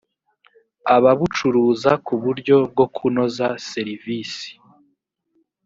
ababucuruza ku buryo bwo kunoza serivisi